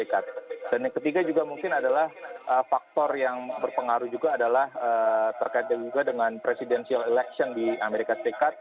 dan yang ketiga juga mungkin adalah faktor yang berpengaruh juga adalah terkait juga dengan presidential election di as